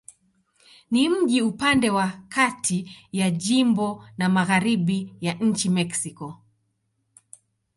Ni mji upande wa kati ya jimbo na magharibi ya nchi Mexiko.